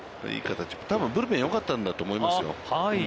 多分、ブルペンがよかったんだと思いますよ。